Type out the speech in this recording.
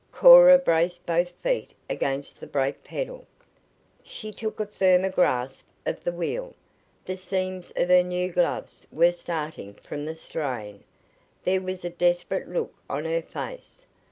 Cora braced both feet against the brake pedal. She took a firmer grasp of the wheel. The seams of her new gloves were starting from the strain. There was a desperate look on her face.